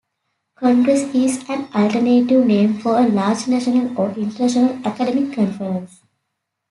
Congress is an alternative name for a large national or international academic conference.